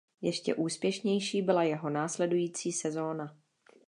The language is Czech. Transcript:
Ještě úspěšnější byla jeho následující sezóna.